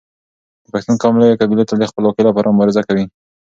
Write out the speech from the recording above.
د پښتون قوم لويې قبيلې تل د خپلواکۍ لپاره مبارزه کوي.